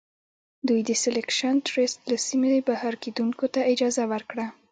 دوی د سیلکشن ټرست له سیمې بهر کیندونکو ته اجازه ورکړه.